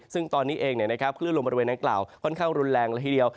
ซึ่งตอนนี้เองคลื่นลมบริเวณดังกล่าวค่อนข้างรุนแรงละทีเดียว